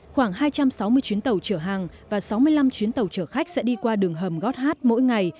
khoảng hai trăm sáu mươi chuyến tàu chở hàng và sáu mươi năm chuyến tàu chở khách sẽ đi qua đường hầm gót hát mỗi ngày